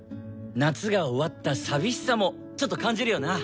夏が終わった寂しさもちょっと感じるよな。